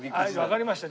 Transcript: わかりました。